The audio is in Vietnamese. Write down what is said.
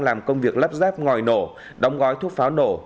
làm công việc lắp ráp ngòi nổ đóng gói thuốc pháo nổ